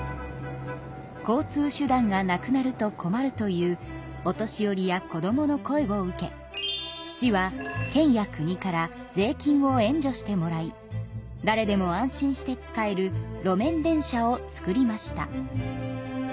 交通手段がなくなると困るというお年寄りや子どもの声を受け市は県や国から税金を援助してもらいだれでも安心して使える路面電車を作りました。